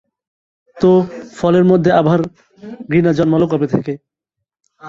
তো ফলের মধ্যে আবার ঘৃণা জন্মালো কবে থেকে?